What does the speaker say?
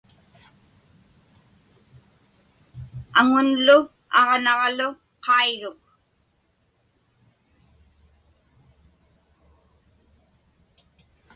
Aŋunlu aġnaġlu qairuk.